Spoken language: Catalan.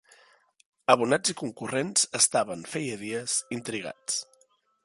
Abonats i concurrents estaven, feia dies, intrigats.